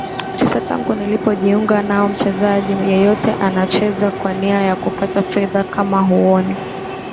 tisa tangu nilipojiunga naoMchezaji yeyote anacheza kwa nia ya kupata fedha kama huoni